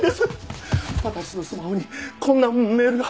私のスマホにこんなメールが！